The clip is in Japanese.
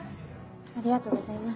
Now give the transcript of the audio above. ありがとうございます。